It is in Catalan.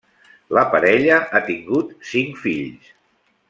La parella ha tingut cinc fills.